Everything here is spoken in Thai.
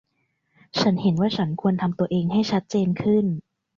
ฉันเห็นว่าฉันควรทำตัวเองให้ชัดเจนขึ้น